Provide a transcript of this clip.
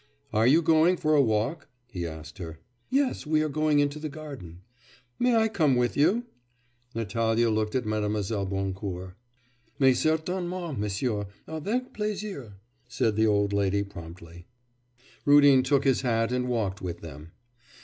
'Are you going for a walk?' he asked her. 'Yes. We are going into the garden.' 'May I come with you?' Natalya looked at Mlle. Boncourt 'Mais certainement, monsieur; avec plaisir,' said the old lady promptly. Rudin took his hat and walked with them.